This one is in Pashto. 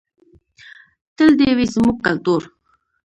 تل دې وي زموږ کلتور.